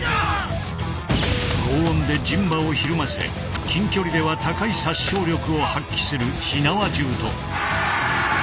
轟音で人馬をひるませ近距離では高い殺傷力を発揮する火縄銃と。